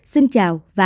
xin chào và hẹn gặp lại